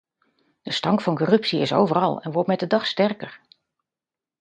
De stank van corruptie is overal en wordt met de dag sterker.